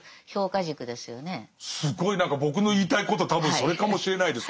すごい何か僕の言いたいこと多分それかもしれないです。